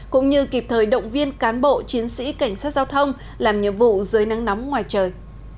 cũng như kịp thời động viên cán bộ chiến sĩ cảnh sát giao thông làm nhiệm vụ dưới nắng nóng ngoài trời